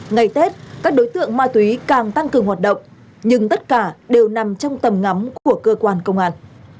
ngày tết các đối tượng ma túy càng tăng cường hoạt động nhưng tất cả đều nằm trong tầm ngắm của cơ quan công an